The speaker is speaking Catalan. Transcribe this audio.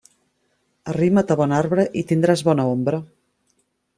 Arrima't a bon arbre i tindràs bona ombra.